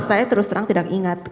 saya terus terang tidak ingat